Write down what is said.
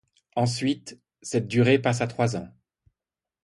Ensuite, cette durée passe à trois ans.